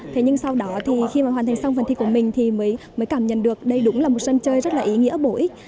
thế nhưng sau đó thì khi mà hoàn thành xong phần thi của mình thì mới cảm nhận được đây đúng là một sân chơi rất là ý nghĩa bổ ích